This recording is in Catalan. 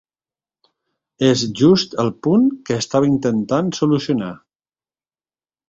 És just el punt que estava intentant solucionar.